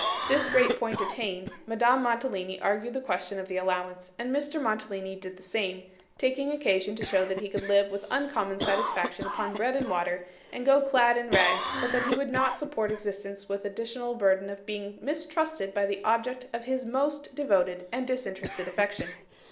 This great point attained, Madame Mantalini argued the question of the allowance, and Mr Mantalini did the same, taking occasion to show that he could live with uncommon satisfaction upon bread and water, and go clad in rags, but that he could not support existence with the additional burden of being mistrusted by the object of his most devoted and disinterested affection.